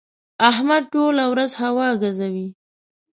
احمد ټوله ورځ هوا ګزوي.